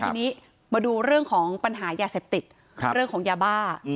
ทีนี้มาดูเรื่องของปัญหายาเสพติดเรื่องของยาบ้า